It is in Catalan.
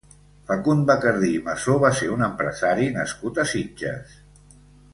Facund Bacardí i Massó va ser un empresari nascut a Sitges.